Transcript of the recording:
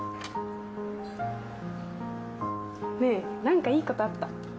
ねえ何かいいことあった？